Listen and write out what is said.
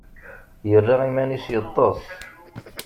Yerra iman-is yeṭṭes.